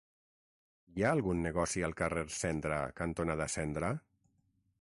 Hi ha algun negoci al carrer Cendra cantonada Cendra?